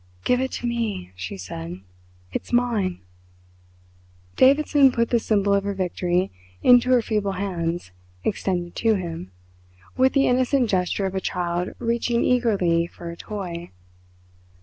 "Give it to me," she said. "It's mine." Davidson put the symbol of her victory into her feeble hands extended to him with the innocent gesture of a child reaching eagerly for a toy.